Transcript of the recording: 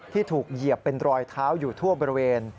ที่ถูกเหยียบเป็นรอยเท้าอยู่ทั่วบริเวณ